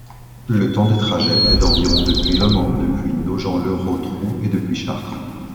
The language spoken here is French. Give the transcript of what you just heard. Le temps de trajet est d'environ depuis Le Mans, depuis Nogent-le-Rotrou et depuis Chartres.